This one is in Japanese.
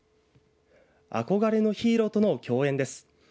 憧れのヒーローとの共演です。